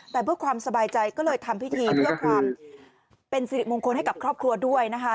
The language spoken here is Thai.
แต่เพื่อความสบายใจก็เลยทำพิธีเพื่อความเป็นสิริมงคลให้กับครอบครัวด้วยนะคะ